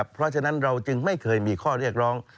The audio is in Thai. เพราะฉะนั้นเราจึงไม่เคยมีข้อเรียกร้อง